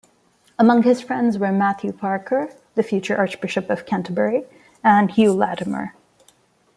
Among his friends were Matthew Parker, the future Archbishop of Canterbury, and Hugh Latimer.